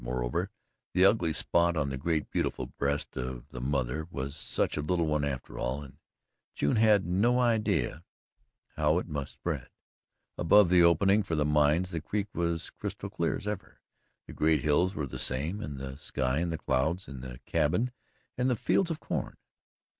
Moreover, the ugly spot on the great, beautiful breast of the Mother was such a little one after all and June had no idea how it must spread. Above the opening for the mines, the creek was crystal clear as ever, the great hills were the same, and the sky and the clouds, and the cabin and the fields of corn.